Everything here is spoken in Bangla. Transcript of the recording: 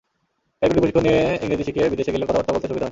কারিগরি প্রশিক্ষণ নিয়ে ইংরেজি শিখে বিদেশে গেলে কথাবার্তা বলতে সুবিধা হয়।